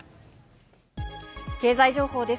経済情報です。